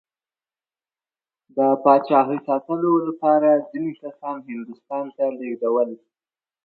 د پاچایۍ ساتلو لپاره ځینې کسان هندوستان ته ولېږدول.